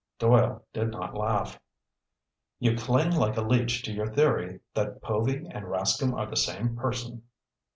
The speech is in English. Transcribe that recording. Doyle did not laugh. "You cling like a leech to your theory that Povy and Rascomb are the same person."